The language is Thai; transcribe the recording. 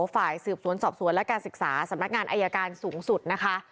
ฝ่ายสืบสวนสอบสวนและการศึกษาสำนักงานอายการสูงสุดนะคะ